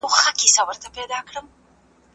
زه پرون قلمان پاک کړل!!